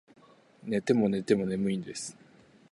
寝ても寝ても眠いんです